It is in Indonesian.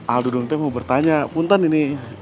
aduh dong te mau bertanya punten ini